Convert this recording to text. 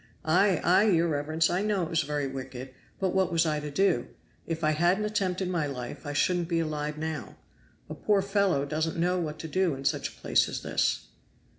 Ay! ay! your reverence, I know it was very wicked but what was I to do? If I hadn't attempted my life I shouldn't be alive now. A poor fellow doesn't know what to do in such a place as this."